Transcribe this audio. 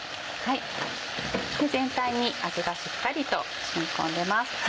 全体に味がしっかりと染み込んでます。